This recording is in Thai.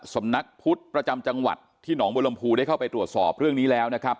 สำนักพุทธประจำจังหวัดที่หนองบรมภูได้เข้าไปตรวจสอบเรื่องนี้แล้วนะครับ